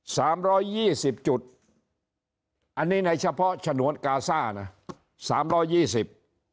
สามร้อยยี่สิบจุดอันนี้ในเฉพาะฉนวนกาซ่านะสามร้อยยี่สิบ